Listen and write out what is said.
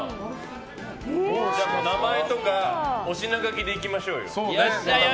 名前とかお品書きでいきましょう。